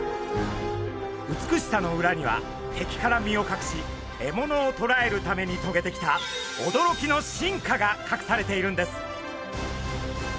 美しさの裏には敵から身をかくし獲物をとらえるためにとげてきた驚きの進化がかくされているんです。